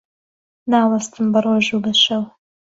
ناوەستن بە ڕۆژ و شەو